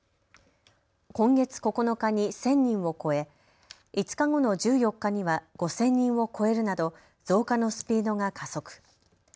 今月９日に１０００人を超え５日後の１４日には５０００人を超えるなど増加のスピードが加速。